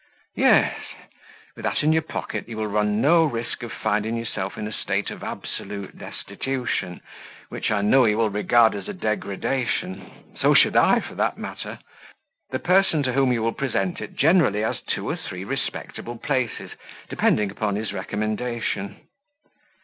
"Yes. With that in your pocket you will run no risk of finding yourself in a state of absolute destitution, which, I know, you will regard as a degradation so should I, for that matter. The person to whom you will present it generally has two or three respectable places depending upon his recommendation."